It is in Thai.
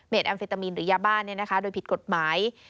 แอมเฟตามีนหรือยาบ้านโดยผิดกฎหมาย